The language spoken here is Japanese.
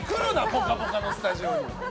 「ぽかぽか」のスタジオに！